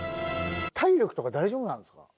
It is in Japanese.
体力とか大丈夫なんですか？